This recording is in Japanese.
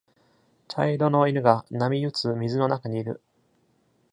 茶色の犬が波打つ水の中にいる。